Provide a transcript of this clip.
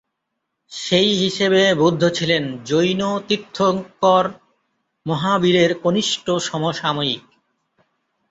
সেই হিসেবে বুদ্ধ ছিলেন জৈন তীর্থঙ্কর মহাবীরের কনিষ্ঠ সমসাময়িক।